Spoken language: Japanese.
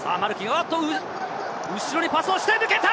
おっと、後ろにパスをして抜けた。